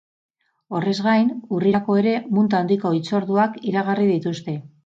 Horrez gain, urrirako ere munta handiko hitzorduak iragarri dituzte.